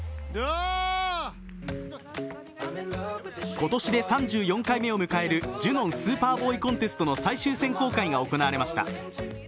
今年で３４回目を迎えるジュノン・スーパーボーイ・コンテストの最終選考会が行われました。